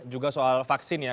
juga soal vaksin ya